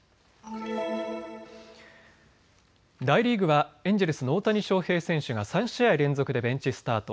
大リーグはエンジェルスの大谷翔平選手が３試合連続でベンチスタート。